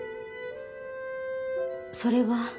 それは。